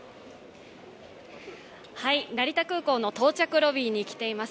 成田空港の到着ロビーにきています。